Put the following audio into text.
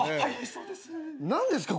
何ですか？